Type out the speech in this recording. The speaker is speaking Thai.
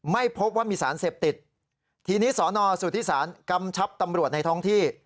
ไม่พบว่ามีสารเสพติดทีนี้สอนอสุทธิศาลกำชับตำรวจในท้องที่